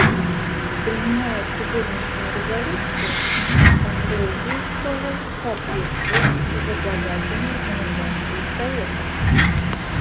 Принимая сегодняшнюю резолюцию, Ассамблея действовала в соответствии с безотлагательной рекомендацией Совета.